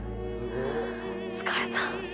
疲れた。